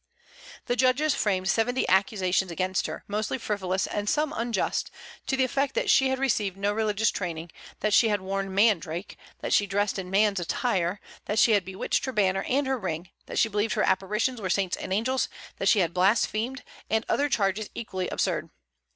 The judges framed seventy accusations against her, mostly frivolous, and some unjust, to the effect that she had received no religious training; that she had worn mandrake; that she dressed in man's attire; that she had bewitched her banner and her ring; that she believed her apparitions were saints and angels; that she had blasphemed; and other charges equally absurd.